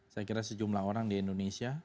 saya kira sejumlah orang di indonesia